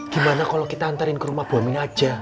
gimana kalau kita antarin ke rumah bu aminah aja